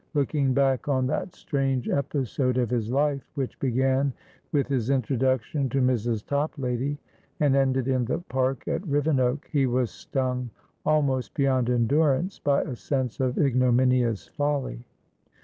Looking back on that strange episode of his life which began with his introduction to Mrs. Toplady and ended in the park at Rivenoak, he was stung almost beyond endurance by a sense of ignominious folly.